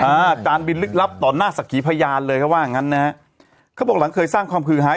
อาจารย์บินลึกลับต่อหน้าสักขีพยานเลยเขาว่างั้นนะฮะเขาบอกหลังเคยสร้างความฮือฮาย